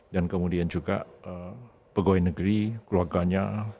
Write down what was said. dan kemudian juga pegawai negeri keluarganya